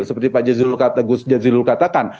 seperti pak jadzidul katakan